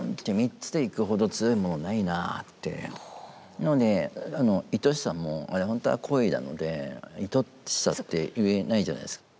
なので「恋しさ」もあれほんとは「恋」なので「いとしさ」って言えないじゃないですか。